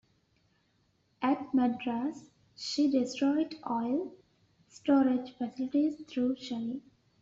At Madras she destroyed oil storage facilities through shelling.